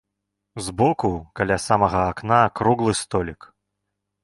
З боку каля самага акна круглы столік.